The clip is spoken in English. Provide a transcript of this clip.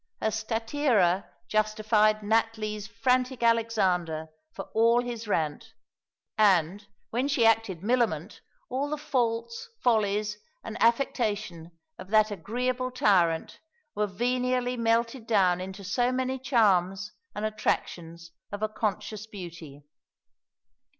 Her Statira justified Nat Lee's frantic Alexander for all his rant; and "when she acted Millamant, all the faults, follies, and affectation of that agreeable tyrant were venially melted down into so many charms and attractions of a conscious beauty."